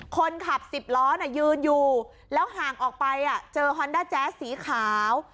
คนขับ๑๐ล้อยืนอยู่แล้วห่างออกไปเจอฮอนด้าแจ๊สสีขาว